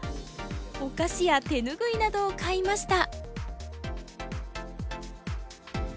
お菓子や手ぬぐいなどを買いました。